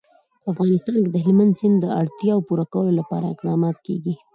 په افغانستان کې د هلمند سیند د اړتیاوو پوره کولو لپاره اقدامات کېږي.